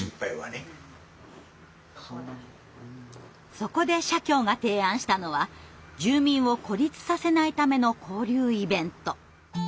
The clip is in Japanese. そこで社協が提案したのは住民を孤立させないための交流イベント。